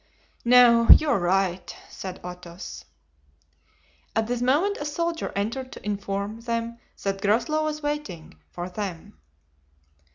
"No, you are right," said Athos. At this moment a soldier entered to inform them that Groslow was waiting for them.